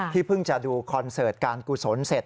เพิ่งจะดูคอนเสิร์ตการกุศลเสร็จ